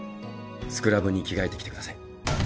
スクラブに着替えてきてください。